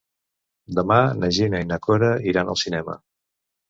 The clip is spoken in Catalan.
Demà na Gina i na Cora iran al cinema.